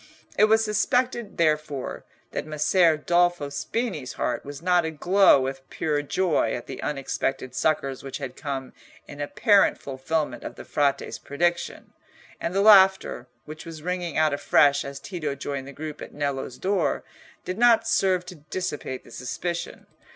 It was suspected, therefore, that Messer Dolfo Spini's heart was not aglow with pure joy at the unexpected succours which had come in apparent fulfilment of the Frate's prediction, and the laughter, which was ringing out afresh as Tito joined the group at Nello's door, did not serve to dissipate the suspicion.